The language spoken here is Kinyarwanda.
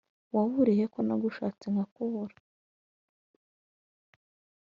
Waburiye he ko nagushatse nkakubura